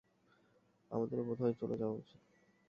আমাদেরও বোধহয় চলে যাওয়া উচিত।